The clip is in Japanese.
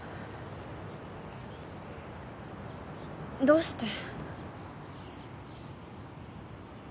どうして？